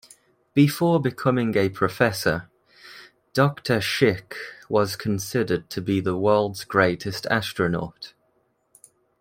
Before becoming a professor, Doctor Schick was considered to be the world's greatest astronaut.